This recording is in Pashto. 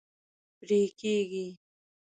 پرې کیږي